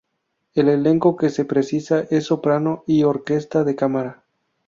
El elenco que se precisa es soprano y orquesta de cámara.